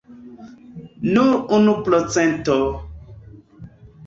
Nur unu procento!